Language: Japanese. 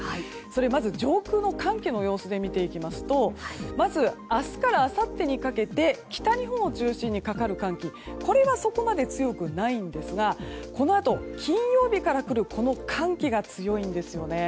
まず上空の寒気の様子で見ていきますと明日からあさってにかけて北日本を中心にかかる寒気これはそこまで強くないんですがこのあと、金曜日から来るこの寒気が強いんですよね。